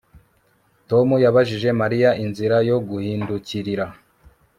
Tom yabajije Mariya inzira yo guhindukirira